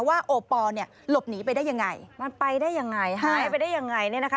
ว่าโอปอลเนี่ยหลบหนีไปได้ยังไงมันไปได้ยังไงหายไปได้ยังไงเนี่ยนะคะ